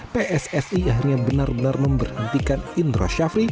pssi akhirnya benar benar memberhentikan indra syafri